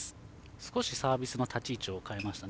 少しサービスの立ち位置変えましたね。